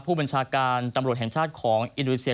ผู้บัญชาการตำรวจแห่งชาติของอินโดนีเซีย